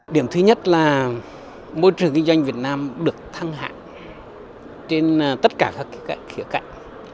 điểm thứ nhất là môi trường kinh doanh việt nam được thăng hạng trên tất cả các khía cạnh